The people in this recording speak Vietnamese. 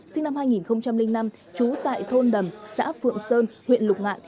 sinh năm hai nghìn năm trú tại thôn đầm xã phượng sơn huyện lục ngạn